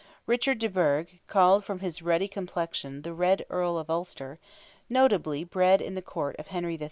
Richard de Burgh, called from his ruddy complexion "the Red Earl" of Ulster, nobly bred in the court of Henry III.